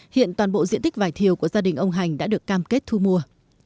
hiện toàn bộ diện tích vải thiều của gia đình ông hành đã được cam kết thu mua